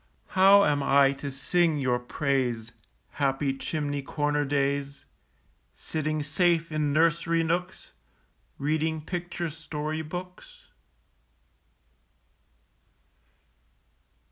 How am I to sing your praise, Happy chimney corner days, Sitting safe in nursery nooks, Reading picture story books?